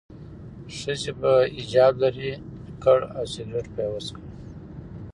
ښځې به حجاب لرې کړ او سیګرټ به څکاوه.